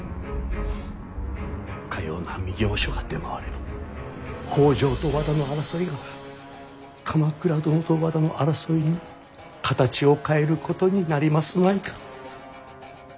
かような御教書が出回れば北条と和田の争いが鎌倉殿と和田の争いに形を変えることになりますまいか。